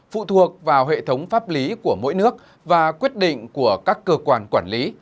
phụ thuộc vào hệ thống pháp lý của mỗi nước và quyết định của các cơ quan quản lý